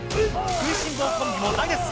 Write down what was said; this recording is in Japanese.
食いしん坊コンビも大絶賛。